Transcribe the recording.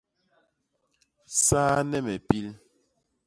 Saane me pil.